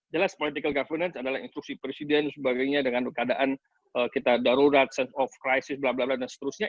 jelas political governance adalah instruksi presiden dan sebagainya dengan keadaan kita darurat sense of crisis bla bla dan seterusnya